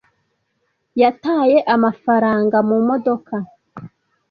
yataye amafaranga mu modoka